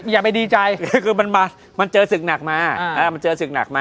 อย่าไปดีใจ